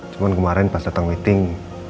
cuma kemarin pas datang meeting